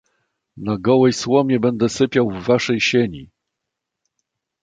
"Na gołej słomie będę sypiał w waszej sieni!"